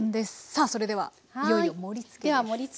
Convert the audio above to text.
さあそれではいよいよ盛りつけです。